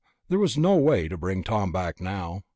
There was no way to bring Tom back now.